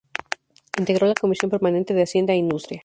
Integró la Comisión permanente de Hacienda e Industria.